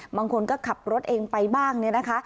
บางคนก็ขับรถเองไปบ้างเนี่ยนะคะ